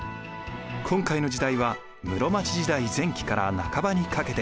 今回の時代は室町時代前期から半ばにかけて。